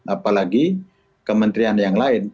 apalagi kementerian yang lain